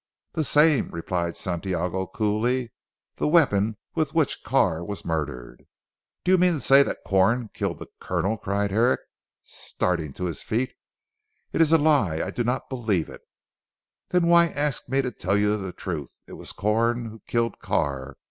"The same," replied Santiago coolly, "the weapon with which Carr was murdered." "Do you mean to say that Corn killed the Colonel?" cried Herrick starting to his feet. "It is a lie. I do not believe it." "Then why ask me to tell you the truth. It was Corn who killed Carr.